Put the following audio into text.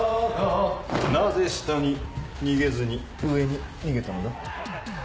だがなぜ下に逃げずに上に逃げたのだ？ハハハ！